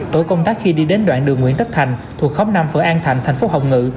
tối công tác khi đi đến đoạn đường nguyễn tất thành thuộc khóm năm phở an thạnh thành phố hồng ngự